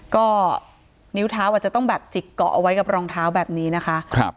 ก็นิ้วเท้าอาจจะต้องแบบจิกเกาะเอาไว้กับรองเท้าแบบนี้นะคะ